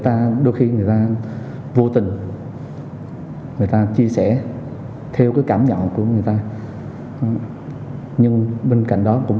ta đôi khi người ta vô tình người ta chia sẻ theo cái cảm nhận của người ta nhưng bên cạnh đó cũng